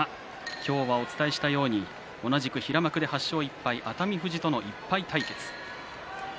今日はお伝えしたように同じく平幕で８勝１敗熱海富士との１敗対決